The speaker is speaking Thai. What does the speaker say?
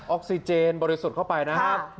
ออกซิเจนบริสุทธิ์เข้าไปนะครับ